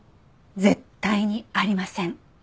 絶対にありません。